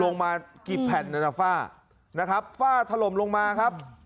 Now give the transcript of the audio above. ลงมากี่แผ่นนานาฝ้านะครับฝ้าถล่มลงมาครับ